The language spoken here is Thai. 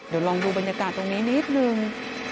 เดี๋ยวลองดูบรรยากาศตรงนี้นิดนึง